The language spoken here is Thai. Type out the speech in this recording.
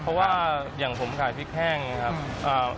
เพราะว่าอย่างผมขายพริกแห้งนะครับ